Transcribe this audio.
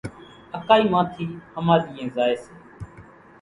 اڪائِي مان ٿي ۿماۮيئين زائي سي